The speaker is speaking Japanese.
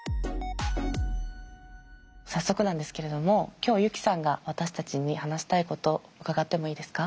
早速なんですけれども今日ユキさんが私たちに話したいこと伺ってもいいですか？